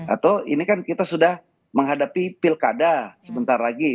atau ini kan kita sudah menghadapi pilkada sebentar lagi